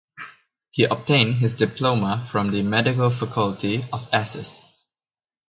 He obtained his diploma from the Medical faculty of Ss.